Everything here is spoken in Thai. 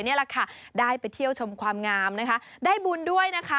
นี่แหละค่ะได้ไปเที่ยวชมความงามนะคะได้บุญด้วยนะคะ